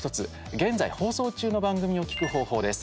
現在放送中の番組を聞く方法です。